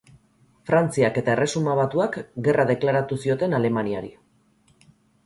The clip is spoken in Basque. Frantziak eta Erresuma Batuak gerra deklaratu zioten Alemaniari.